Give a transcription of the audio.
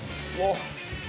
おっ！